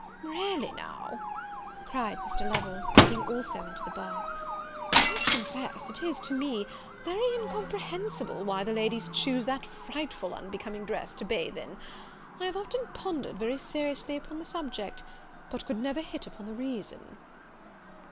"Really now," cried Mr. Lovel, looking also into the bath, "I must confess it is, to me, very incomprehensible why the ladies choose that frightful unbecoming dress to bathe in! I have often pondered very seriously upon the subject, but could never hit upon the reason."